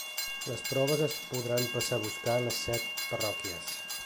Les proves es podran passar a buscar a les set parròquies.